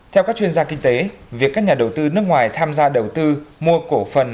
theo các chuyên gia kinh tế việc các nhà đầu tư nước ngoài tham gia đầu tư mua cổ phần